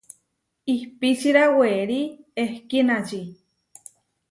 Ihpíčira werí ehkínači.